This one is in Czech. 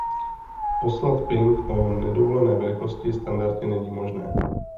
Poslat ping o nedovolené velikosti standardně není možné.